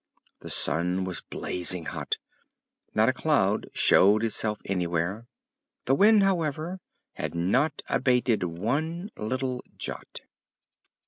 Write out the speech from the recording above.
The sun was blazing hot; not a cloud showed itself anywhere; the wind, however, had not abated one little jot.